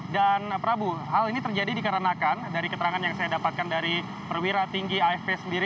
dan prabu hal ini terjadi dikarenakan dari keterangan yang saya dapatkan dari perwira tinggi afp sendiri